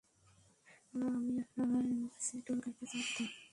আর আমি আপনার এম্বাসেডর গাড়িতে চা দিতাম।